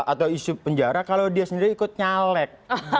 atau isu penjara kalau dia sendiri ikut nyalek dua ribu sembilan belas